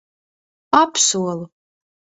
Apsolu.